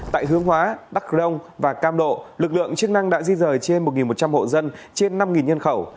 tại hướng hóa đắc rông và cam độ lực lượng chức năng đã di rời trên một một trăm linh hộ dân trên năm nhân khẩu